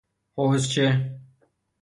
حوضچه